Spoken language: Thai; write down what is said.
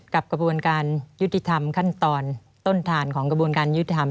กระบวนการยุติธรรมขั้นตอนต้นทานของกระบวนการยุติธรรม